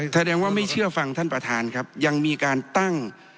แสดงว่าไม่เชื่อฟังท่านประธานครับยังมีการตั้ง